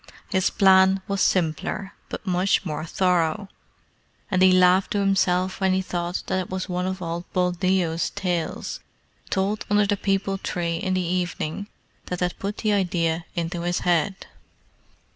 His plan was simpler, but much more thorough; and he laughed to himself when he thought that it was one of old Buldeo's tales told under the peepul tree in the evening that had put the idea into his head.